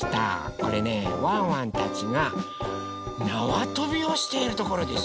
これねワンワンたちがなわとびをしているところです！